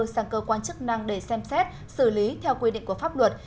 sang cơ quan chức năng để xem xét xử lý theo quy định của pháp luật